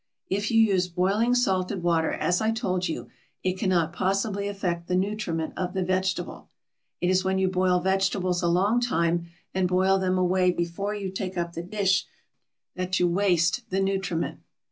If you use boiling salted water, as I told you, it cannot possibly affect the nutriment of the vegetable. It is when you boil vegetables a long time, and boil them away before you take up the dish, that you waste the nutriment.